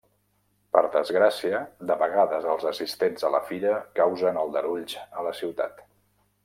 Per desgràcia, de vegades els assistents a la fira causen aldarulls a la ciutat.